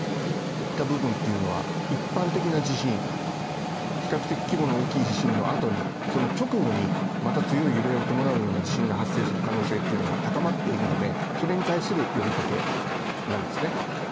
一般的な地震比較的規模の大きい地震の後に、その直後にまた強い揺れを伴うような地震が発生する可能性というのが高まっているので、それに対する呼びかけなんですね